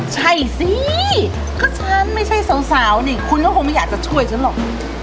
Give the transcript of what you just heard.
ใช่สิก็ฉันไม่ใช่สาวนี่คุณก็คงไม่อยากจะช่วยฉันหรอก